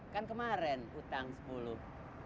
kan kemarin utang sepuluh